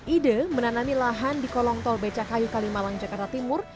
ide menanami lahan di kolong tol becakayu kalimalang jakarta timur